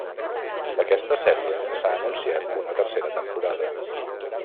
D'aquesta sèrie s'ha anunciat una tercera temporada.